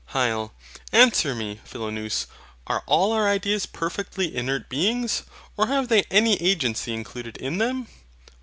HYL. Answer me, Philonous. Are all our ideas perfectly inert beings? Or have they any agency included in them?